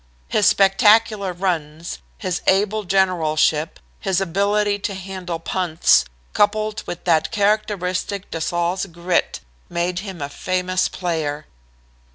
His spectacular runs, his able generalship, his ability to handle punts, coupled with that characteristic de Saulles' grit, made him a famous player.